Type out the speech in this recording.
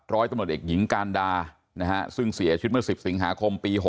ร้อยตำรวจเอกหญิงการดาซึ่งเสียชีวิตเมื่อ๑๐สิงหาคมปี๖๐